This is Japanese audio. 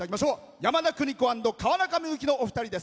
山田邦子＆川中美幸のお二人です。